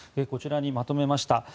こちらにまとめました。